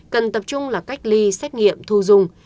cần tập trung là cách ly xét nghiệm thu dung